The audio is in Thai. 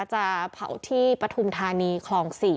จะเผาที่ปฐุมธานีคลอง๔